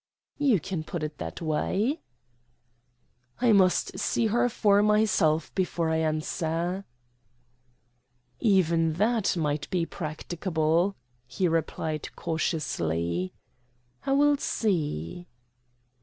"You can put it that way." "I must see her for myself before I answer." "Even that might be practicable," he replied cautiously. "I will see."